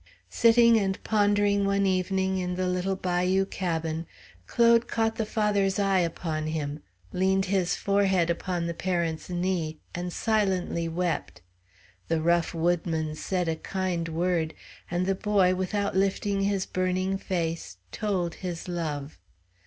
Sitting and pondering one evening in the little bayou cabin, Claude caught the father's eye upon him, leaned his forehead upon the parent's knee, and silently wept. The rough woodman said a kind word, and the boy, without lifting his burning face, told his love.